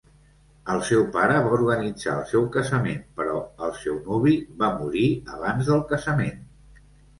El seu pare va organitzar el seu casament, però el seu nuvi va morir abans del casament.